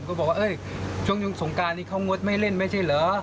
เขาบอกว่าช่วงสงครานนี้เขางดไม่เล่นไม่ใช่เหรอ